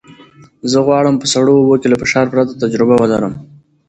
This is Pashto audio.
زه غواړم په سړو اوبو کې له فشار پرته تجربه ولرم.